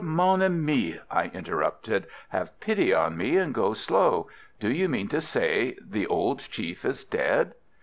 mon ami_," I interrupted, "have pity on me and go slow. Do you mean to say the old chief is dead?"